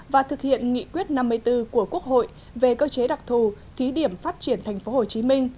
và thực hiện nghị quyết năm mươi bốn của quốc hội về cơ chế đặc thù thí điểm phát triển tp hcm